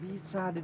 di rumah anak kamu